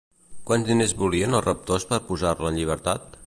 Quants diners volien els raptors per posar-la en llibertat?